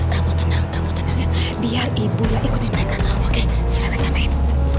kamu tenang kamu tenang ya biar ibu dia ikutin mereka oke silahkan sampein